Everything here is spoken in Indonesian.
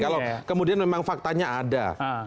kalau kemudian memang faktanya ada